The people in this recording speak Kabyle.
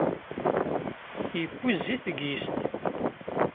Iwwi zzit deg yisni.